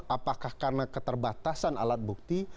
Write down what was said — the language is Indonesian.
apakah karena keterbatasan alat bukti